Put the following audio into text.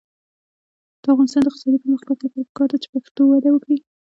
د افغانستان د اقتصادي پرمختګ لپاره پکار ده چې پښتو وده وکړي.